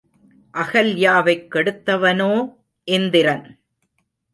அகல்யாவைக் கெடுத்தவனோ இந்திரன்!